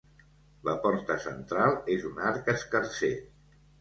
La porta central és un arc escarser.